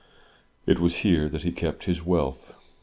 It was here that he kept his wealth.